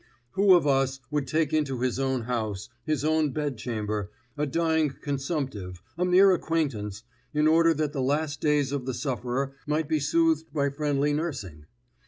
Who of us would take into his own house, his own bedchamber, a dying consumptive, a mere acquaintance, in order that the last days of the sufferer might be soothed by friendly nursing?